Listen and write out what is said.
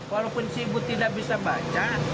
walaupun sibuk tidak bisa baca